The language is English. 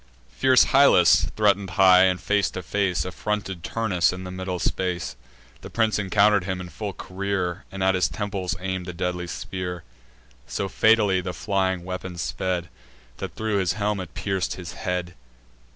Fierce Hyllus threaten'd high, and, face to face, Affronted Turnus in the middle space: The prince encounter'd him in full career, And at his temples aim'd the deadly spear; So fatally the flying weapon sped, That thro' his brazen helm it pierc'd his head.